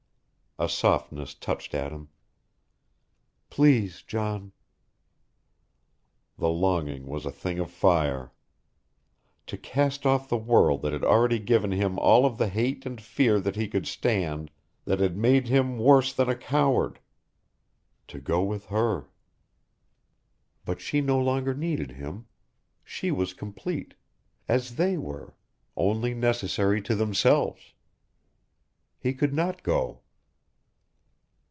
A softness touched at him. "Please, John." The longing was a thing of fire. To cast off the world that had already given him all of the hate and fear that he could stand, that had made him worse than a coward. To go with her. But she no longer needed him. She was complete as they were, only necessary to themselves. He could not go.